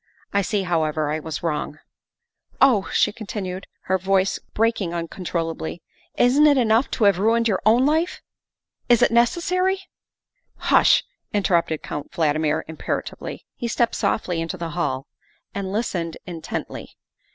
I see, however, I was wrong. ''" Oh," she continued, her voice breaking uncontrol lably, " isn't it enough to have ruined your own life? Is it necessary "" Hush," interrupted Count Valdmir imperatively. He stepped softly into the hall and listened intently.